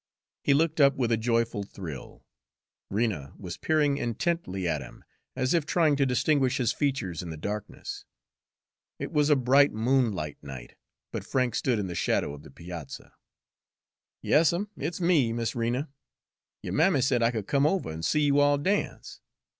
He looked up with a joyful thrill. Rena was peering intently at him, as if trying to distinguish his features in the darkness. It was a bright moonlight night, but Frank stood in the shadow of the piazza. "Yas 'm, it's me, Miss Rena. Yo' mammy said I could come over an' see you all dance.